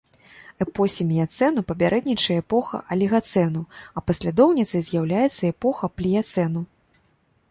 Эпосе міяцэну папярэднічае эпоха алігацэну, а паслядоўніцай з'яўляецца эпоха пліяцэну.